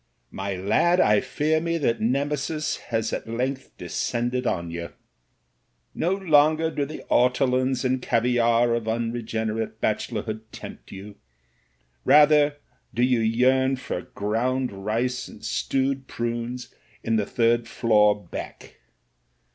''My lad, I fear me that Nemesis has at length descended on you. No longer do the ortolans and caviare of unregenerate bachelorhood tempt you; rather do you yearn for ground rice and stewed prunes in the third floor back.